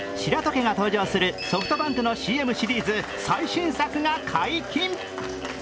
家が登場するソフトバンクのＣＭシリーズ最新作が解禁。